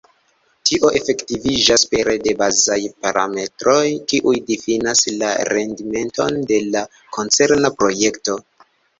Tio efektiviĝas pere de bazaj parametroj, kiuj difinas la rendimenton de la koncerna projekto.